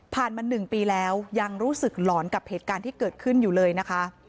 มา๑ปีแล้วยังรู้สึกหลอนกับเหตุการณ์ที่เกิดขึ้นอยู่เลยนะคะ